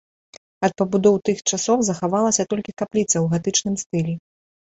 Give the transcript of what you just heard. Ад пабудоў тых часоў захавалася толькі капліца ў гатычным стылі.